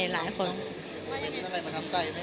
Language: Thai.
แนนค่ะ